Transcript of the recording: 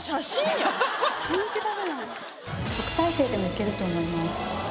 特待生でもいけると思います。